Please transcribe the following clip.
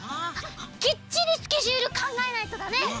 きっちりスケジュールかんがえないとだね。